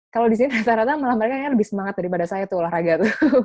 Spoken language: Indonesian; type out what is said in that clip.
kalau di sini ternyata malah mereka lebih semangat daripada saya tuh olahraga tuh